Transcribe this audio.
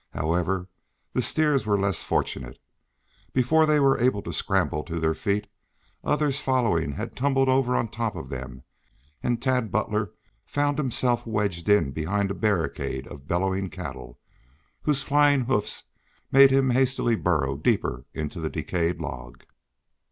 However, the steers were less fortunate. Before they were able to scramble to their feet, others following had tumbled over on top of them, and Tad Butler found himself wedged in behind a barricade of bellowing cattle, whose flying hoofs made him hastily burrow deeper into the decayed log.